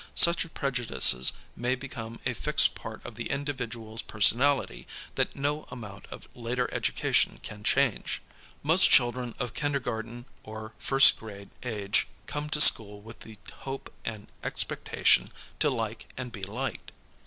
Such prejudices may become a fixed j)art of the individual's personality that no amount of later education can change. Most children of kindergarten or first grade age come to school with the hope and expectation to like and be liked.